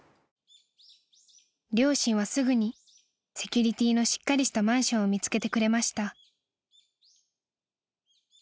［両親はすぐにセキュリティーのしっかりしたマンションを見つけてくれました］